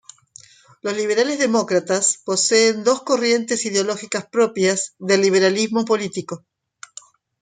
Los Liberal Demócratas poseen dos corrientes ideológicas propias del Liberalismo político.